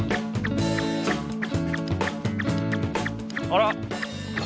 あら？